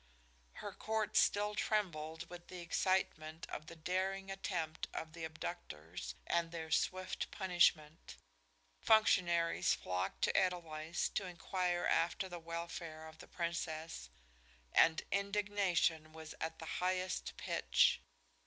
Her court still trembled with the excitement of the daring attempt of the abductors and their swift punishment. Functionaries flocked to Edelweiss to inquire after the welfare of the Princess, and indignation was at the highest pitch.